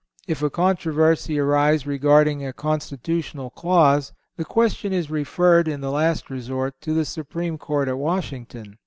If a controversy arise regarding a constitutional clause, the question is referred in the last resort, to the Supreme Court at Washington.